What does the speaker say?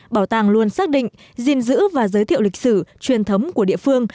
bảo tàng luôn xác định gìn giữ và giới thiệu lịch sử truyền thống của địa phương